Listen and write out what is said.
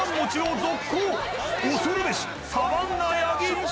［恐るべしサバンナ八木！］